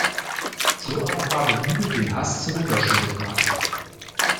So aber habe Liebe den Hass zum Erlöschen gebracht.